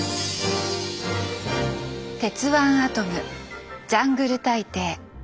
「鉄腕アトム」「ジャングル大帝」「火の鳥」。